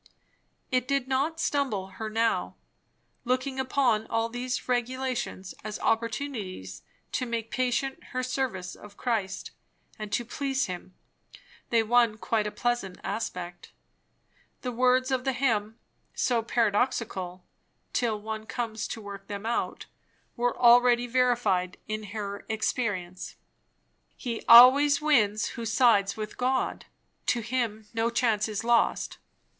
It did not stumble her now. Looking upon all these regulations as opportunities to make patent her service of Christ and to please him, they won quite a pleasant aspect. The words of the hymn, so paradoxical till one comes to work them out, were already verified in her experience "He always wins who sides with God; To him no chance is lost.